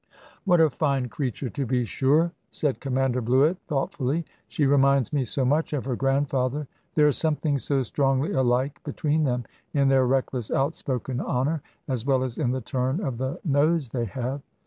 "What a fine creature, to be sure!" said Commander Bluett, thoughtfully; "she reminds me so much of her grandfather. There is something so strongly alike between them, in their reckless outspoken honour, as well as in the turn of the nose they have."